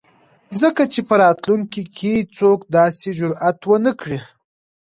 ځکه چې په راتلونکي ،کې څوک داسې جرات ونه کړي.